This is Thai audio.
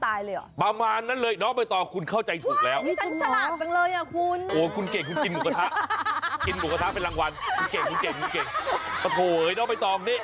โถ่เอ้ยนอกไปต่อตรงนี้